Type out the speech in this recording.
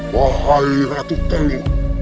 wahai ratu teluh